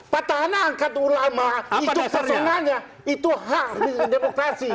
petahana mengangkat ulama itu kesenangannya itu hak demokrasi